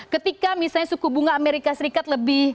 ketika misalnya suku bunga as lebih